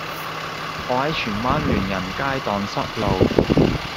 我喺荃灣聯仁街盪失路